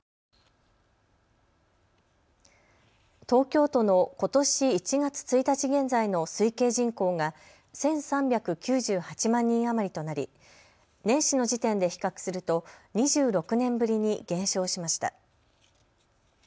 東京都のことし１月１日現在の推計人口が１３９８万人余りとなり年始の時点で比較すると２６年ぶりに減少しました。